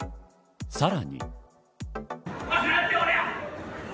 さらに。